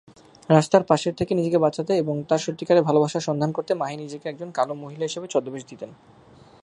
রাস্তার পাশের থেকে নিজেকে বাঁচাতে এবং তার সত্যিকারের ভালবাসার সন্ধান করতে মাহি নিজেকে একজন কালো মহিলা হিসাবে ছদ্মবেশ দিতেন।